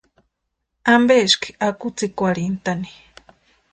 ¿Ampeski akwitsikwarhintʼani?